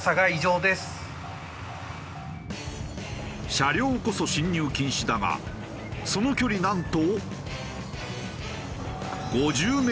車両こそ進入禁止だがその距離なんと。